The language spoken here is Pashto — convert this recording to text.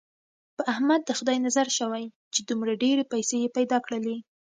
په احمد د خدای نظر شوی، چې دومره ډېرې پیسې یې پیدا کړلې.